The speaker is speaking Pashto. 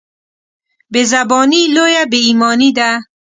بېزباني لويه بېايماني ده.